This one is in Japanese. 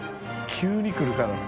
急に来るからな。